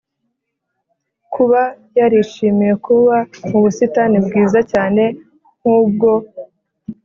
kuba yarishimiye kuba mu busitani bwiza cyane nk’ubwo!